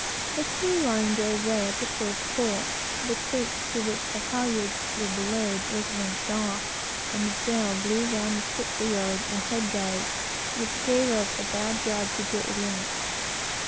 The clewline gave way at the first pull; the cleat to which the halyards were belayed was wrenched off, and the sail blew round the spritsail yards and head guys, which gave us a bad job to get it in.